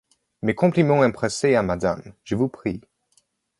Mes compliments empressés à Madame, je vous prie.